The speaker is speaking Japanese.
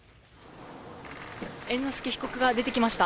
猿之助被告が出てきました。